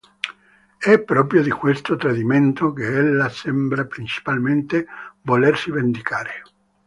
È proprio di questo tradimento che ella sembra principalmente volersi vendicare.